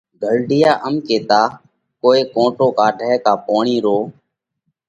گھرڍِيئا ام ڪيتا: ڪوئي ڪونٽو ڪاڍئہ ڪا پوڻِي رو